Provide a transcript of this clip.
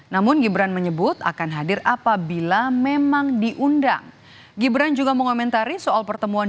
namun gibran menyebut akan hadir apabila memang diundang gibran juga mengomentari soal pertemuan